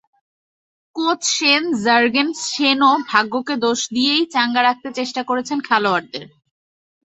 Coach Sean জার্গেনসেনও ভাগ্যকে দোষ দিয়েই চাঙা রাখতে চেষ্টা করেছেন খেলোয়াড়দের।